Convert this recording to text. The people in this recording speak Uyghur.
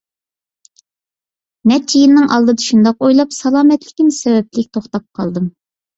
نەچچە يىلنىڭ ئالدىدا شۇنداق ئويلاپ، سالامەتلىكىم سەۋەبلىك توختاپ قالدىم.